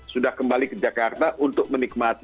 sudah kembali ke jakarta untuk menikmati